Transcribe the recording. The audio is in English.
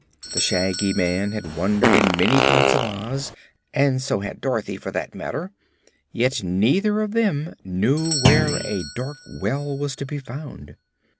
The Shaggy Man had wandered in many parts of Oz, and so had Dorothy, for that matter, yet neither of them knew where a dark well was to be found.